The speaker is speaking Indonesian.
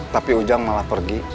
tapi ujang malah pergi